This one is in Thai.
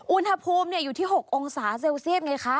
อุณหภูมิอยู่ที่๖องศาเซลเซียสไงคะ